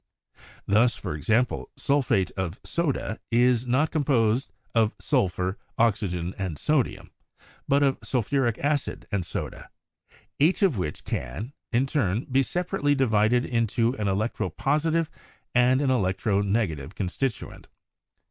Thus, for example, sul phate of soda is not composed of sulphur, oxygen, and sodium, but of sulphuric acid and soda, each of which can,, in turn, be separately divided into an electro positive and an electro negative constituent.